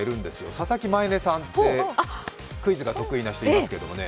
佐々木舞音さん、クイズが得意な人、いますけどね。